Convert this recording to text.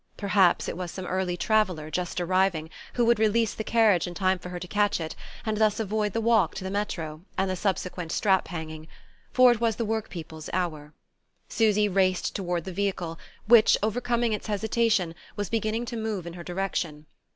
Perhaps it was some early traveller, just arriving, who would release the carriage in time for her to catch it, and thus avoid the walk to the metro, and the subsequent strap hanging; for it was the work people's hour. Susy raced toward the vehicle, which, overcoming its hesitation, was beginning to move in her direction.